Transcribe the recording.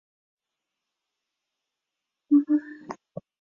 统计误用是指统计学的争论被断言为谬误。